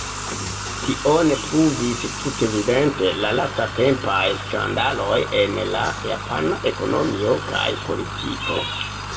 Tion pruvis tutevidente la lastatempaj skandaloj en la japana ekonomio kaj politiko.